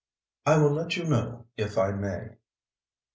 "I will let you know, if I may."